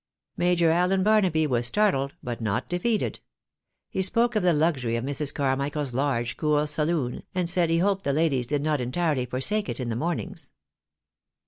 Major Allen Barnaby was startled, but not defeated. He spoke of the luxury of Mrs. Carmichael's large, cool saloon, and said he hoped the ladies did not entirely forsake it in the mornings.